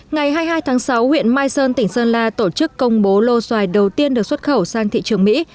ngày hai mươi hai tháng sáu huyện mai sơn tỉnh sơn la tổ chức công bố lô xoài đầu tiên được xuất khẩu sang thị trường mỹ